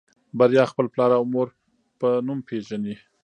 بريا خپل پلار او مور په نوم پېژني.